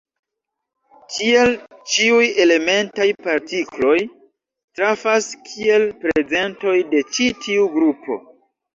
Tiel, ĉiuj elementaj partikloj trafas kiel prezentoj de ĉi tiu grupo.